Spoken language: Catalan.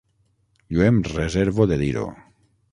Jo em reservo de dir-ho.